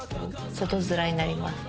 外づらになります。